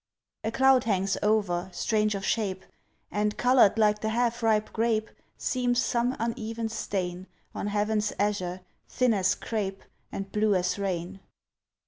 A cloud hangs over, strange of shape, And, colored like the half ripe grape, Seems some uneven stain On heaven's azure, thin as crape, And blue as rain.